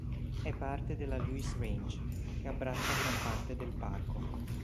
È parte della Lewis Range, che abbraccia gran parte del parco.